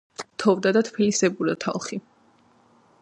თოვდა და თბილისს ებურა თალხი